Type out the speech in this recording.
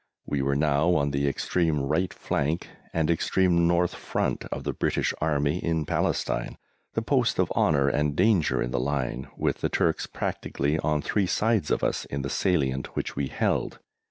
We were now on the extreme right flank and extreme north front of the British Army in Palestine the post of honour and danger in the line, with the Turks practically on three sides of us in the salient which we held.